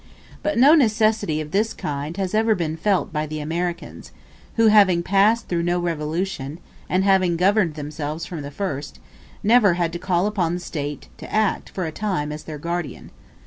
But no necessity of this kind has ever been felt by the Americans, who, having passed through no revolution, and having governed themselves from the first, never had to call upon the State to act for a time as their guardian.